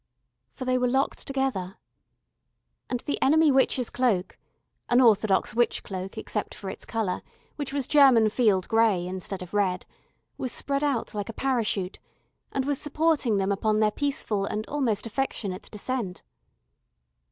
For they were locked together. And the enemy witch's cloak, an orthodox witch cloak except for its colour, which was German field grey instead of red, was spread out like a parachute, and was supporting them upon their peaceful and almost affectionate descent.